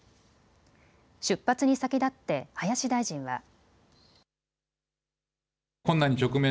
出発に先立って林大臣は。